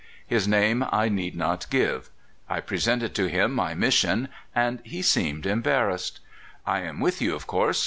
His name I need not give. I presented to him my mission, and he seemed embarrassed. "I am with you, of course.